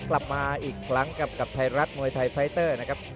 กลับมาอีกครั้งกับไทยรัฐมวยไทยไฟเตอร์นะครับ